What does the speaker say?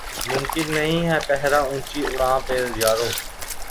ممکن نہیں ہے پہرہ اونچی اڑاں پہ یارو